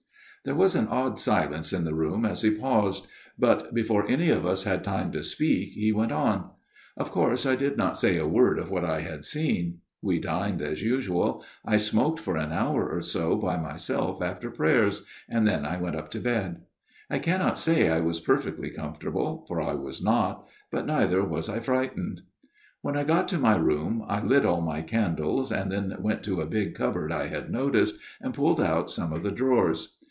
There was an odd silence in the room as he paused ; but before any of us had time to speak he went on. " Of course I did not say a word of what I had seen. We dined as usual ; I smoked for an hour or so by myself after prayers ; and then I went up to bed. I cannot say I was perfectly comfortable, for I was not ; but neither was I frightened. " When I got to my room I lit all my candles, and then went to a big cupboard I had noticed, and pulled out some of the drawers.